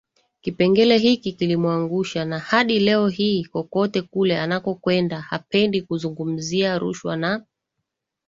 kipengele hiki kilimuangusha na hadi leo hii kokote kule anakokwenda hapendi kuzungumzia rushwa na